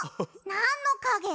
なんのかげ？